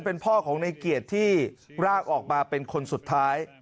เป็นพ่อของในเกียรติที่ร่างออกมาเป็นคนสุดท้าย